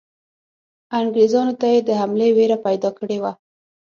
انګریزانو ته یې د حملې وېره پیدا کړې وه.